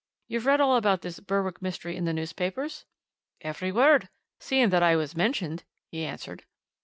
You've read all about this Berwick mystery in the newspapers?" "Every word seeing that I was mentioned," he answered.